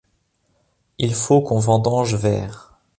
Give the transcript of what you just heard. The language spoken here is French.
Il faut qu’on vendange vert.